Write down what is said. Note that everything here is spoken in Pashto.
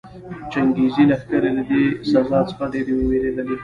چنګېزي لښکرې له دې سزا څخه ډېرې ووېرېدلې.